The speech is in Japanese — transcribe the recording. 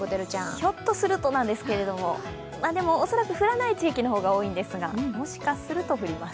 ひょっとするとなんですけど恐らく降らない地域の方が多いんですがもしかすると降ります。